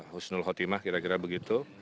husnul khotimah kira kira begitu